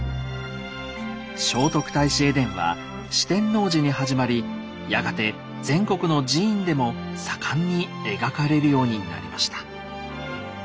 「聖徳太子絵伝」は四天王寺に始まりやがて全国の寺院でも盛んに描かれるようになりました。